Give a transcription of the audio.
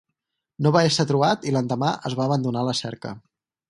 No va ésser trobat i l'endemà es va abandonar la cerca.